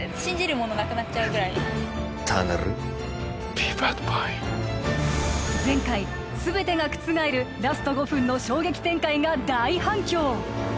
びっくりしました前回全てが覆るラスト５分の衝撃展開が大反響